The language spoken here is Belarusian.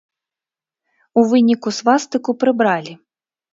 У выніку свастыку прыбралі.